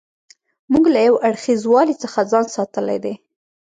موږ له یو اړخیزوالي څخه ځان ساتلی دی.